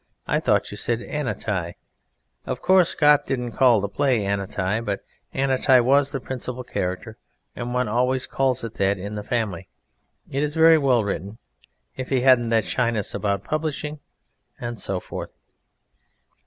I thought you said Ananti. Of course, Scott didn't call the play Ananti, but Ananti was the principal character, and one always calls it that in the family. It is very well written. If he hadn't that shyness about publishing ... and so forth.